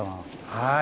はい。